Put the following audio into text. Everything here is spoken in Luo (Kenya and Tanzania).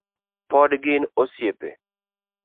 Pod gin osiepe